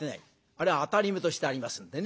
あれはアタリメとしてありますんでね。